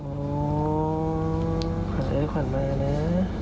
โอ้โฮขวัญไอ้ขวัญแม่นะ